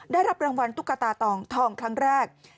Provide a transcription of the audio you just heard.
ได้รับรางวัลตุ๊กตาตองทองครั้งแรก